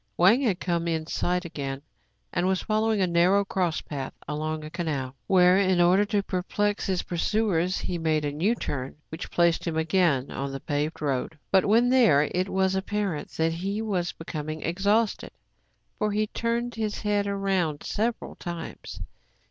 Wang had come in sight again, and was following a narrow cross path along a canal, where, in order to perplex his pursuers, he made a new turn, which placed him again on the paved road. But, when there, it was apparent that he was becoming exhausted; for he turned his head round several times.